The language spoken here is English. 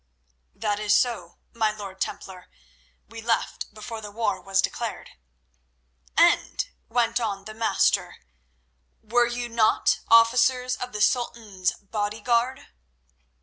"That is so, my lord Templar. We left before the war was declared." "And," went on the Master, "were you not officers of the Sultan's bodyguard?"